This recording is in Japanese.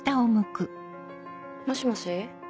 もしもし？